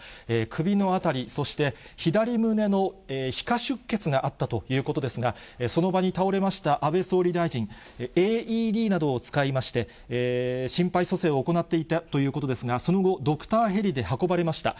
首の辺り、そして左胸の皮下出血があったということですが、その場に倒れました安倍総理大臣、ＡＥＤなどを使いまして、心肺蘇生を行っていたということですが、その後、ドクターヘリで運ばれました。